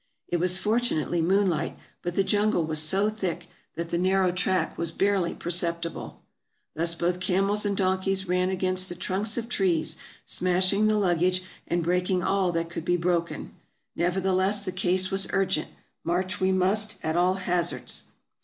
It was fortunately moonlight, but the jungle was so thick that the narrow track was barely perceptible: thus both camels and donkeys ran against the trunks oftrees? smashing the luggage, and breaking all that could be broken; nevertheless, the case was urgent; march we must, at all hazards.